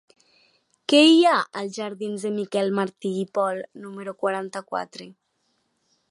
Què hi ha als jardins de Miquel Martí i Pol número quaranta-quatre?